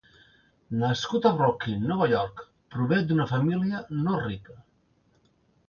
Nascut a Brooklyn, Nova York, prové d'una família no rica.